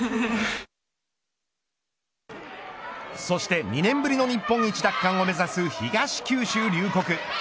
そして２年ぶりの日本一奪還を目指す東九州龍谷。